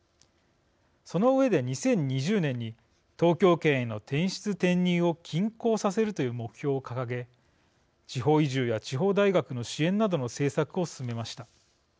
その上で２０２０年に東京圏への転出・転入を均衡させるという目標を掲げ地方移住や地方大学の支援などの政策を進めました。